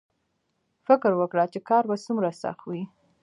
فکر وکړه چې کار به څومره سخت وي